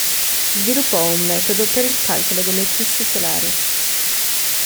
Sviluppò un metodo per il calcolo delle eclissi solari.